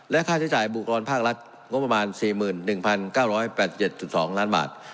ค่าใช้จ่ายบุคกรภาครัฐงบประมาณ๔๑๙๘๗๒ล้านบาท